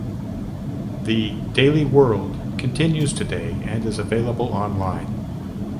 The "Daily World" continues today and is available online.